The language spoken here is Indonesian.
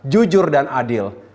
jujur dan adil